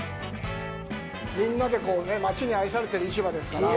みんなで、こうねまちに愛されてる市場ですから。